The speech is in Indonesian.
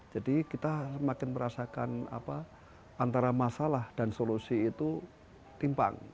jadi kita semakin merasakan antara masalah dan solusi itu timpang